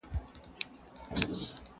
له نیکونو راته پاته بې حسابه زر لرمه.